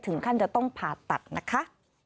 ถึงขั้นจะต้องผ่าตัดนะคะ